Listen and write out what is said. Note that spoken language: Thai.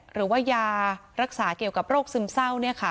หรือว่ายารักษาเกี่ยวกับโรคซึมเศร้า